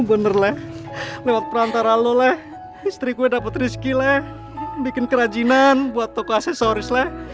bener lewat perantara loleh istri gue dapet rezeki le bikin kerajinan buat toko aksesoris